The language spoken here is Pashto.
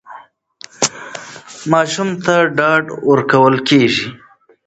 ماشوم ته ډاډ ورکول کېږي.